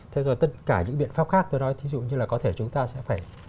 thế rồi tất cả những biện pháp khác tôi nói ví dụ như là có thể chúng ta sẽ phải